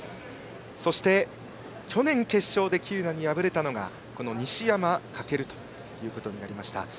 そして去年、決勝で喜友名に敗れたのが西山走ということになりました。